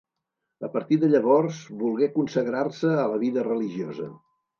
A partir de llavors, volgué consagrar-se a la vida religiosa.